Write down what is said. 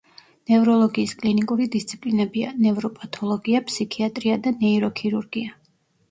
ნევროლოგიის კლინიკური დისციპლინებია: ნევროპათოლოგია, ფსიქიატრია და ნეიროქირურგია.